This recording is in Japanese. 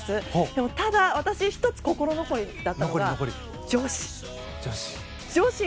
でも、ただ、私１つ心残りだったのが女子。